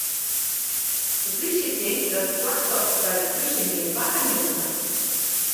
De plysje tinkt dat it slachtoffer by de krusing gjin foarrang jûn hat.